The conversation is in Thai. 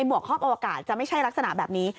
วกรอบอวกาศจะไม่ใช่ลักษณะแบบนี้